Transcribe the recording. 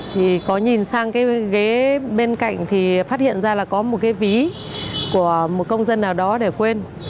thì có nhìn sang cái ghế bên cạnh thì phát hiện ra là có một cái ví của một công dân nào đó để quên